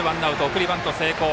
送りバント成功。